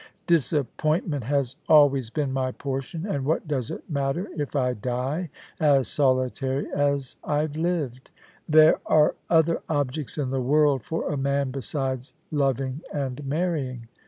Disappointment has always been my portion, and what does it matter if I die as solitary as I've lived ? There 88 POLICY AND PASSION. are other objects in the world for a man besides loving and marrying.